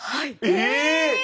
え！